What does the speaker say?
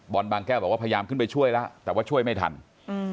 บางแก้วบอกว่าพยายามขึ้นไปช่วยแล้วแต่ว่าช่วยไม่ทันอืม